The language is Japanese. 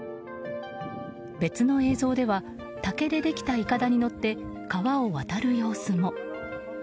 別の映像では竹でできたいかだに乗って川を渡る様子も。